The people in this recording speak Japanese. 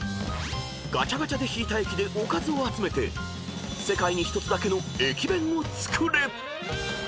［ガチャガチャで引いた駅でおかずを集めて世界に１つだけの駅弁を作れ］